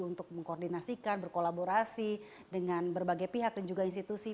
untuk mengkoordinasikan berkolaborasi dengan berbagai pihak dan juga institusi